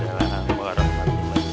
assalamualaikum warahmatullahi wabarakatuh